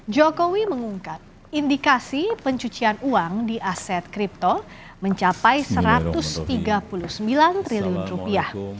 jokowi mengungkap indikasi pencucian uang di aset kripto mencapai satu ratus tiga puluh sembilan triliun rupiah